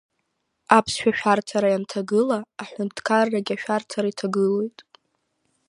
Аԥсшәа ашәарҭара ианҭагыла, аҳәынҭқаррагьы ашәарҭара иҭагылоит.